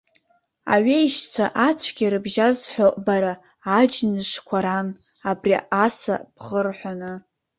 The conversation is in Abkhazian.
Аҩеишьцәа ацәгьа рыбжьазҳәо бара, аџьнышқәа ран, абри аса бӷырҳәаны!